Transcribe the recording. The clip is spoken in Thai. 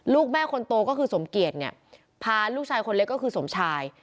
ลูกแม่คนโตก็คือสมเกียจเนี่ยพาลูกชายคนเล็กก็คือสมชาย